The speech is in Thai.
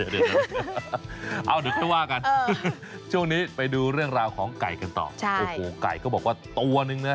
เพราะว่ามีผลไม้เยอะในช่วงนี้